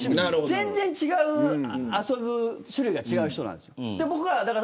全然遊ぶ種類が違う人なんです。